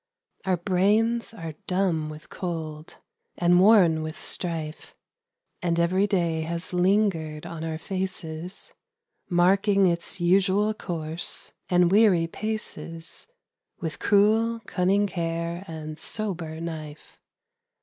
Our brains are dumb with cold, and worn with strife, And every day has lingered on our faces Marking its usual course and weary paces With cruel cunning care and sober knife.